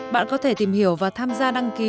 bạn có thể tìm hiểu và tham gia đăng ký